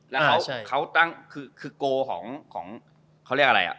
แล้วเขาตั้งคือโกของเขาเรียกอะไรอ่ะ